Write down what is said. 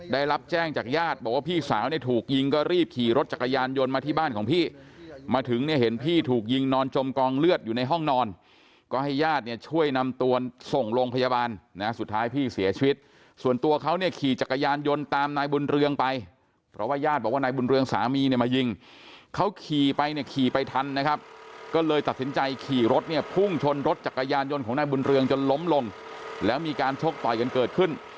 ได้รับแจ้งจากญาติบอกว่าพี่สาวถูกยิงก็รีบขี่รถจักรยานยนต์มาที่บ้านของพี่มาถึงเห็นพี่ถูกยิงนอนจมกองเลือดอยู่ในห้องนอนก็ให้ญาติช่วยนำตัวส่งโรงพยาบาลสุดท้ายพี่เสียชีวิตส่วนตัวเขาขี่จักรยานยนต์ตามนายบุญเรืองไปเพราะว่าญาติบอกว่านายบุญเรืองสามีมายิงเขาขี่ไปขี่ไปทันนะครับก็เลยตัด